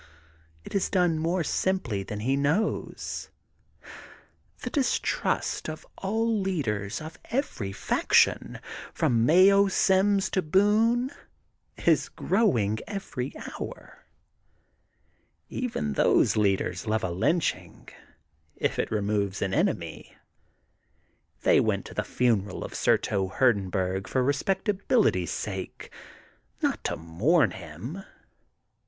It is done more simply than he knows. The distrust of all leaders of every faction from Mayo Sims to Boone is growing every hour. Even those leaders love a lynching, if it removes an en emy. They went to the funeral of Surto Hur 242 THE GOLDEN BOOK OF SPRINGFIELD denburg for respectability's sake, not to mourn him.